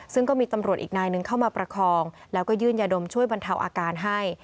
ซึ่งก็มีตำรวจอีกนายหนึ่งเข้ามาประคองแล้วก็ยื่นยาดมช่วยบรรเทาอาการให้